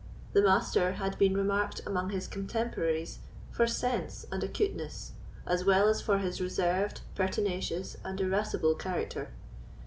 The Master had been remarked among his contemporaries for sense and acuteness, as well as for his reserved, pertinacious, and irascible character.